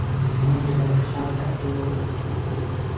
موږ د بدخشان تر ټولو وروستی ټیم وو.